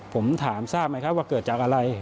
ผมถามทราบไหมครับว่าเกิดจากอะไร